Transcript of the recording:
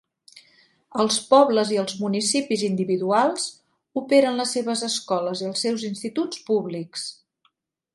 Els pobles i els municipis individuals operen les seves escoles i els seus instituts públics.